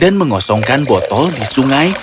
dan mengosongkan botol di sungai